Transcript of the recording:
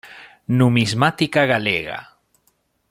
Numismática galega.